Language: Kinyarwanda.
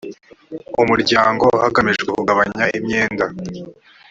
umuryango hagamijwe kugabanya imyenda